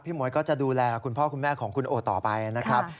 หมวยก็จะดูแลคุณพ่อคุณแม่ของคุณโอต่อไปนะครับ